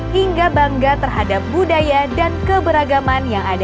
hingga bangga terhadap budaya dan keberagaman yang ada